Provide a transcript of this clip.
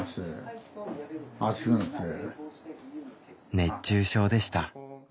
熱中症でした。